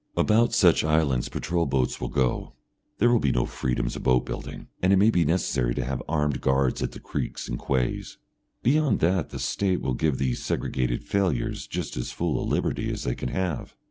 ] About such islands patrol boats will go, there will be no freedoms of boat building, and it may be necessary to have armed guards at the creeks and quays. Beyond that the State will give these segregated failures just as full a liberty as they can have.